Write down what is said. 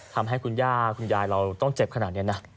ทำให้คุณย่าคุณยายเราต้องเจ็บขนาดนี้นะ